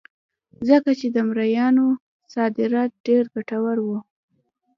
ځکه چې د مریانو صادرات ډېر ګټور وو.